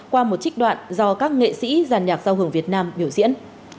qua một trích đoạn do các nghệ sĩ giàn nhạc giao hưởng việt nam biểu diễn